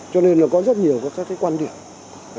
cho nên có rất nhiều quan điểm